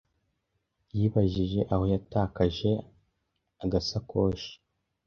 Yibajije aho yatakaje agasakoshi.